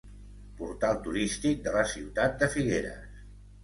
Portal turístic de la ciutat de Figueres.